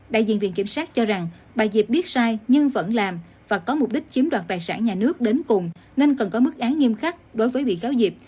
đại diện viện kiểm sát cho rằng bà diệp biết sai nhưng vẫn làm và có mục đích chiếm đoạt tài sản nhà nước đến cùng nên cần có mức án nghiêm khắc đối với bị cáo diệp